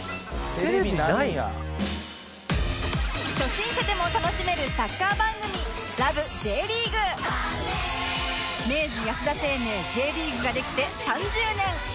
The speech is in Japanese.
初心者でも楽しめるサッカー番組明治安田生命 Ｊ リーグができて３０年！